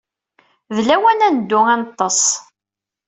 D lawan ad neddu ad neḍḍes.